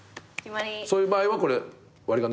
そういう場合はこれ割り勘でしょ？